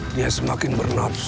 bisa ketemu pak